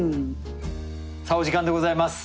さあお時間でございます。